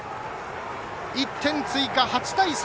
１点追加、８対３。